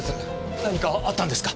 何かあったんですか？